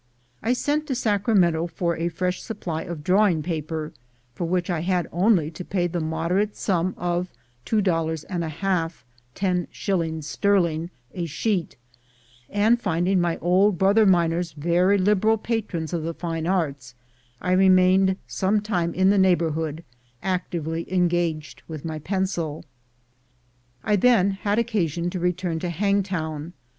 I sent to Sacramento for a fresh supply of drawing paper, for which I had only to pay the moderate sum of two dollars and a half (ten shillings sterling) a sheet; and finding my old brother miners very liberal patrons of the fine arts, I remained some time in the neighborhood actively engaged with my pencil. I then had occasion to return to Hangtown.